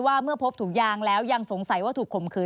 ว่าเมื่อพบถุงยางแล้วยังสงสัยว่าถูกข่มขืน